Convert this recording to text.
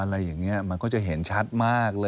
อะไรอย่างนี้มันก็จะเห็นชัดมากเลย